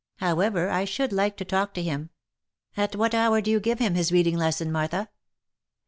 However, I should like to talk to him. At what hour do you give him his reading lesson, Martha?"